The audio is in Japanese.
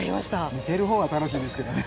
見てるほうは楽しいんですけどね。